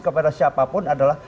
kepada siapapun adalah